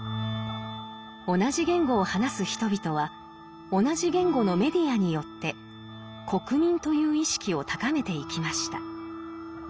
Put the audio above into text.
同じ言語を話す人々は同じ言語のメディアによって「国民」という意識を高めていきました。